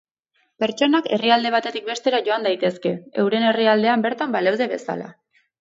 Pertsonak herrialde batetik bestera joan daitezke, euren herrialdean bertan baleude bezala.